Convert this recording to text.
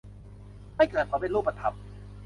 ให้เกิดผลเป็นรูปธรรม